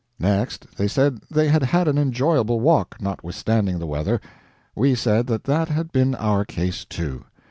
Next, they said they had had an enjoyable walk, notwithstanding the weather. We said that that had been our case, too.